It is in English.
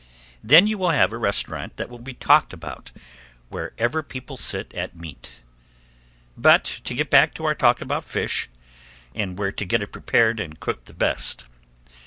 Then you will have a restaurant that will be talked about wherever people sit at meat. But to get back to our talk about fish, and where to get it prepared and cooked the best.